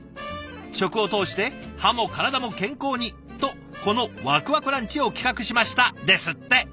「食を通して歯も体も健康にとこのわくわくランチを企画しました」ですって。